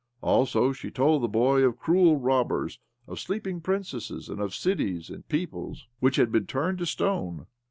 Also, she told the boy of cruel robbers, of sleeping princesses, and of cities and peoples which had been turned into stone.